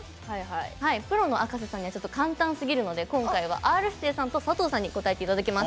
プロのあかせさんにはちょっと簡単すぎるので今回は、Ｒ‐指定さんと佐藤さんに答えていただきます。